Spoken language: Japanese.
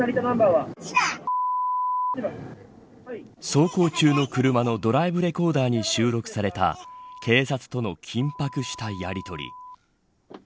走行中の車のドライブレコーダーに収録された警察との緊迫したやりとり。